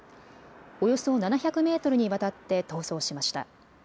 およそ７００メートルにわたって逃走しました。